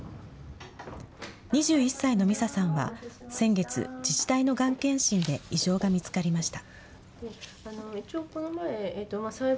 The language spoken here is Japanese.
２１歳のみささんは、先月、自治体のがん検診で異常が見つかりました。